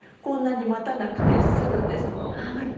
こんなに待たなくて済むんですもん。